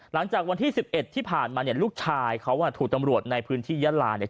หลังจากวันที่๑๑ที่ผ่านมาเนี่ยลูกชายเขาถูกตำรวจในพื้นที่ยะลาเนี่ย